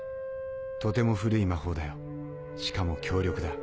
とても古い魔法だよしかも強力だ。